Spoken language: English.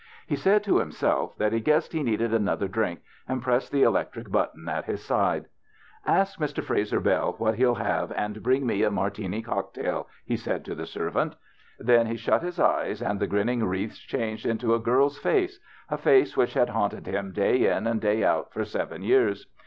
He said to himself that he guessed he needed another drink, and pressed the electric but ton at his side. " Ask Mr. Frazer Bell what he'll have and bring me a Martini cocktail," he said to the servant. Then he shut his eyes and the grin ning wreaths changed into a girl's face, a face which had haunted him day in and day out for seven years.